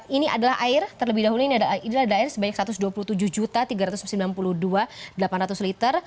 ini adalah air terlebih dahulu ini adalah air sebanyak satu ratus dua puluh tujuh tiga ratus sembilan puluh dua delapan ratus liter